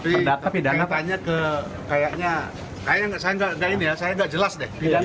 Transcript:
ya tapi saya nggak jelas deh